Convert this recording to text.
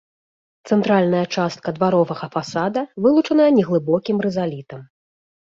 Цэнтральная частка дваровага фасада вылучаная неглыбокім рызалітам.